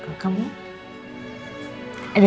alhamdulillah mama baik baik aja